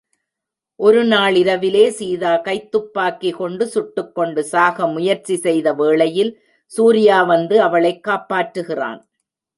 ஒருநாள் இரவிலே, சீதா கைத்துப்பாக்கி கொண்டு சுட்டுக்கொண்டு சாக முயற்சி செய்த வேளையில், சூர்யா வந்து அவளைக் காப்பாற்றுகிறான்.